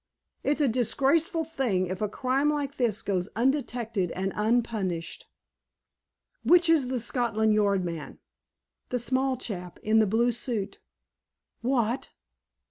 "It's a disgraceful thing if a crime like this goes undetected and unpunished." "Which is the Scotland Yard man!" "The small chap, in the blue suit." "What?